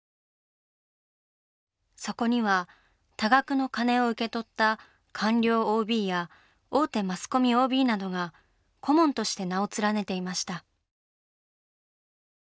そこには多額の金を受け取った官僚ＯＢや大手マスコミＯＢなどが顧問として名を連ねていました。